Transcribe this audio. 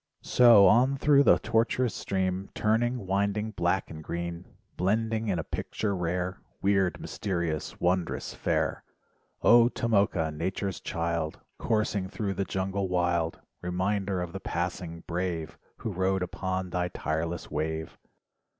So on thru the tortuous stream, Turning, winding, black and green, Blending in a picture rare, Wierd, mysterious wondrous fair. 0 Tomoka. nature's child, Coursing thru the jungle wild, Reminder of the passing "brave," Who rode upon thy tireless wave.